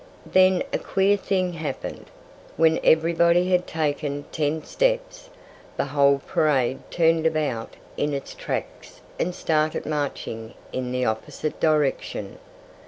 Then a queer thing happened. When everybody had taken ten steps, the whole parade turned about in its tracks and started marching in the opposite direction.